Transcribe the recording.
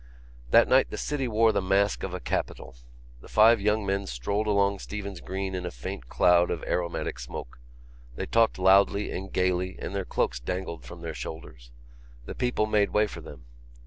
That night the city wore the mask of a capital. The five young men strolled along Stephen's Green in a faint cloud of aromatic smoke. They talked loudly and gaily and their cloaks dangled from their shoulders. The people made way for them.